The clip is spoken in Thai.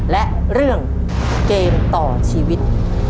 และเรื่องเกมต่อชีวิต